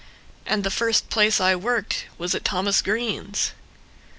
And the first place I worked was at Thomas Greene's.